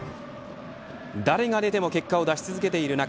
誰が出ても結果を出し続けている中